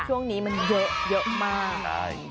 ช่วงนี้มันเยอะมาก